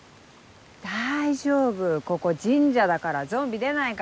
大丈夫ここ神社だからゾンビ出ないから。